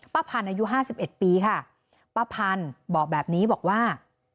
พันธุ์อายุห้าสิบเอ็ดปีค่ะป้าพันธุ์บอกแบบนี้บอกว่า